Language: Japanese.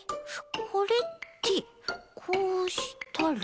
これってこうしたら。